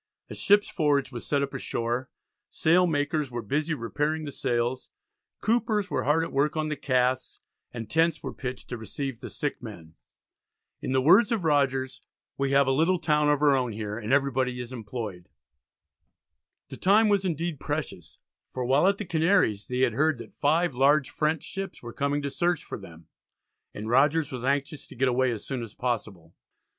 A ship's forge was set up ashore; sail makers were busy repairing the sails; coopers were hard at work on the casks; and tents were pitched to receive the sick men. In the words of Rogers "we have a little town of our own here, and every body is employed." The time was indeed precious, for while at the Canaries they had heard that five large French ships were coming to search for them, and Rogers was anxious to get away as soon as possible.